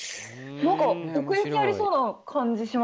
何か奥行きありそうな感じしますけど。